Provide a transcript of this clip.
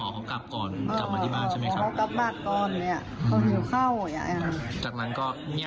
ก่อนน้องเปียรยังโทรหายังได้อู๋ได้คุยอยู่